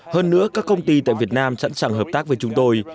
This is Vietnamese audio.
hơn nữa các công ty tại việt nam sẵn sàng hợp tác với chúng tôi